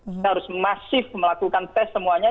kita harus masif melakukan tes semuanya